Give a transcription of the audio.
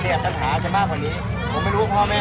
เราอยากสงสัยสงสัยว่าสิ่งที่น้องน้องพูดวันนี้